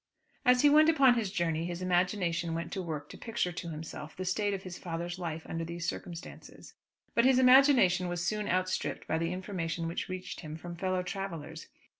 As he went on upon his journey his imagination went to work to picture to himself the state of his father's life under these circumstances. But his imagination was soon outstripped by the information which reached him from fellow travellers.